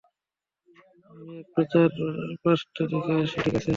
আমি একটু চারপাশটা দেখে আসি - ঠিক আছে।